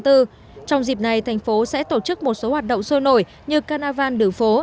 trong dịp này thành phố sẽ tổ chức một số hoạt động sôi nổi như carnival đường phố